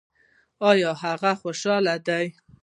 ایا هغه خوشحاله دی؟